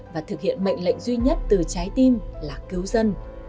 và thực hiện mệnh lệnh duy nhất từ trái tim là cứu dân